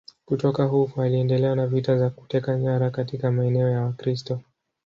Kutoka huko waliendelea na vita za kuteka nyara katika maeneo ya Wakristo.